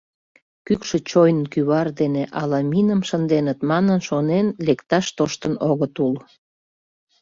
Кӱкшӧ чойн кӱвар дене «ала миным шынденыт» манын шонен, лекташ тоштын огыт ул.